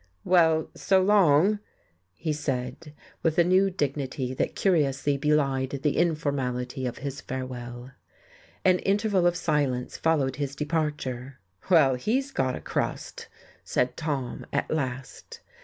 "Well, so long," he said, with a new dignity that curiously belied the informality of his farewell. An interval of silence followed his departure. "Well, he's got a crust!" said Tom, at last.